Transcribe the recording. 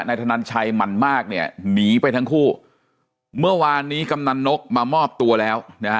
ธนันชัยหมั่นมากเนี่ยหนีไปทั้งคู่เมื่อวานนี้กำนันนกมามอบตัวแล้วนะฮะ